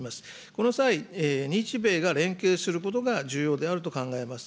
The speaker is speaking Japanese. この際、日米が連携することが重要であると考えます。